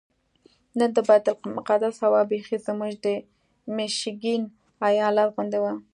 نن د بیت المقدس هوا بیخي زموږ د میشیګن ایالت غوندې وه.